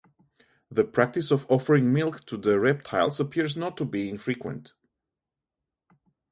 The practice of offering milk to the reptiles appears to be not infrequent.